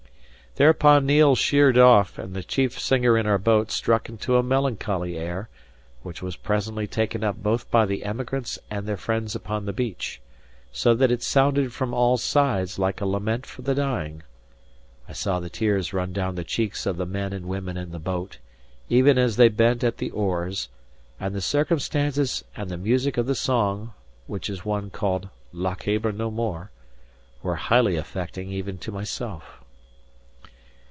Thereupon Neil sheered off; and the chief singer in our boat struck into a melancholy air, which was presently taken up both by the emigrants and their friends upon the beach, so that it sounded from all sides like a lament for the dying. I saw the tears run down the cheeks of the men and women in the boat, even as they bent at the oars; and the circumstances and the music of the song (which is one called "Lochaber no more") were highly affecting even to myself.